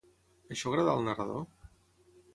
Això agradà al narrador?